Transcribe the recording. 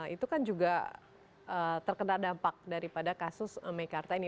itu kan juga terkena dampak daripada kasus mekarta ini